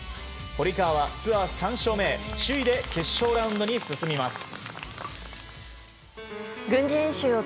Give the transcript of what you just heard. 堀川はツアー３勝目へ首位で決勝ラウンドに進みます。